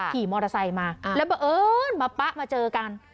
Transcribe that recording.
ขี่มอเตอร์ไซค์มาแล้วบังเอิญมาป๊ะมาเจอกัน